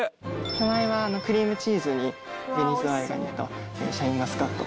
手前はクリームチーズに紅ズワイガニとシャインマスカット。